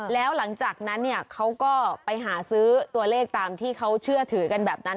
แล้วหลังจากนั้นเนี่ยเขาก็ไปหาซื้อตัวเลขตามที่เขาเชื่อถือกันแบบนั้น